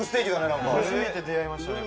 何か・初めて出会いましたね